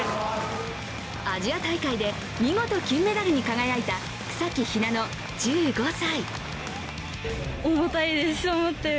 アジア大会で見事金メダルに輝いた草木ひなの、１５歳。